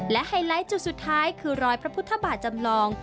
และไฮไลท์จุดสุดท้ายคือรอยพระพุทธบาทจำลอง